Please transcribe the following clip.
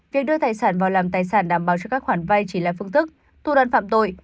việc đưa tài sản vào làm tài sản đảm bảo cho các khoản vay chỉ là phương thức thu đoàn phạm tội